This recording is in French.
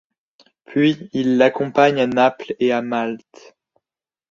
Puis il l'accompagne à Naples et à Malte.